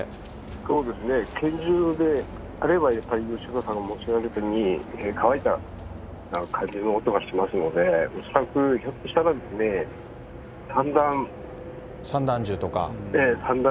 そうですね、拳銃であれば吉川さんおっしゃったように、乾いた感じの音がしますので、恐らくひょっとしたらですね、散弾。